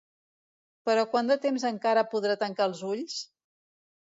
Però quant de temps encara podrà tancar els ulls?